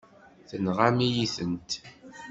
Tenɣam-iyi-tent.